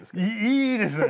いいですね。